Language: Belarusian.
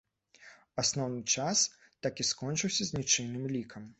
Асноўны час так і скончыўся з нічыйным лікам.